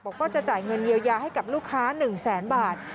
บอกว่าจะจ่ายเงินเยียวยาให้กับลูกค้า๑แสนบาท